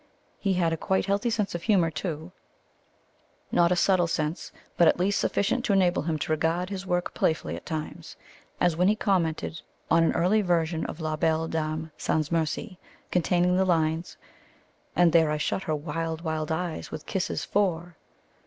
He had a quite healthy sense of humour, too not a subtle sense, but at least sufficient to enable him to regard his work playfully at times, as when he commented on an early version of La Belle Dame sans Merci containing the lines: And there I shut her wild, wild eyes With kisses four.